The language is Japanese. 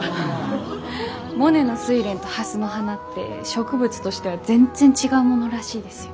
モネの睡蓮と蓮の花って植物としては全然違うものらしいですよ。